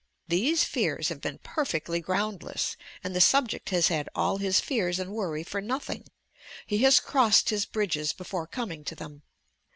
these fears have been perfectly groundless, and the subject has had all his fears and worry for nothing! He has crossed his bridges before coming to them.